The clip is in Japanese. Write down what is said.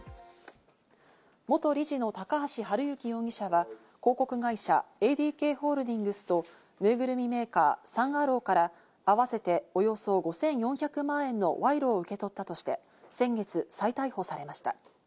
元理事の高橋治之容疑者は、広告会社ＡＤＫホールディングスとぬいぐるみメーカー、サン・アローをから合わせておよそ５４００万円の賄賂を受け取ったとして先月、再逮捕されました。